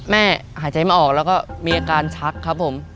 หายใจไม่ออกแล้วก็มีอาการชักครับผม